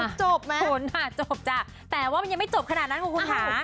โอ้ยจบไหมโอ้โฮจบจ้ะแต่ว่ามันยังไม่จบขนาดนั้นคุณคะ